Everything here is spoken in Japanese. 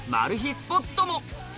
スポットも！